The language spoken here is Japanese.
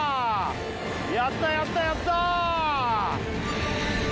やったやったやった！